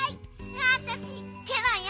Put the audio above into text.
わたしケロよ。